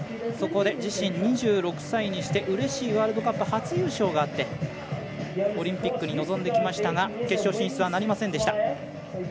そこで自身２６歳にしてうれしいワールドカップ初優勝があってオリンピックに臨んできましたが決勝進出なりませんでした。